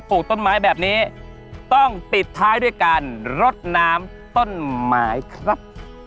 ลูกต้นไม้แบบนี้ต้องปิดท้ายด้วยการรดน้ำต้นไม้ครับ